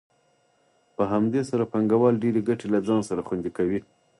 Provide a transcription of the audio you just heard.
په همدې سره پانګوال ډېرې ګټې له ځان سره خوندي کوي